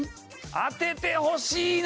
当ててほしいな！